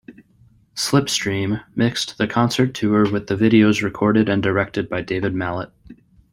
"Slipstream" mixed the concert tour with the videos recorded and directed by David Mallett.